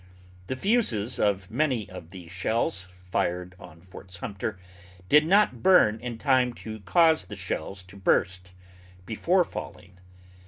The fuses of many of these shells fired on Port Sumter did not burn in time to cause the shells to burst before falling.